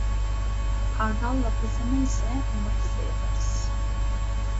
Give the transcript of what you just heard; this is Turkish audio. Hardal lapası neyse, onu biz de yaparız.